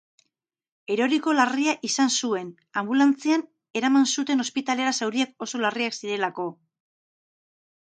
Eroriko larria izan zuen, anbulantzian eraman zuten ospitalera zauriak oso larriak zirelako.